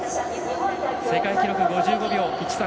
世界記録５５秒１３。